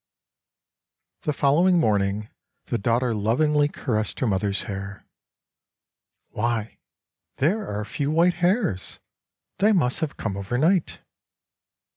The following morning the daughter lovingly caressed her mother's hair, "Why, there are a few white hairs; they must have come over night.